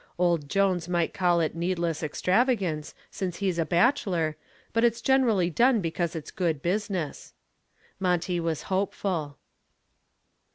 Old Jones might call it needless extravagance, since he's a bachelor, but it's generally done because it's good business." Monty was hopeful.